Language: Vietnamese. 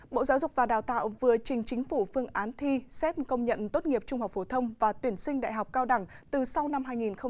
bộ giáo dục và đào tạo vừa trình chính phủ phương án thi xét công nhận tốt nghiệp trung học phổ thông và tuyển sinh đại học cao đẳng từ sau năm hai nghìn hai mươi